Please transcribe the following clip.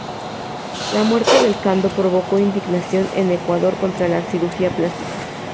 La muerte de Cando provocó indignación en Ecuador contra la cirugía plástica.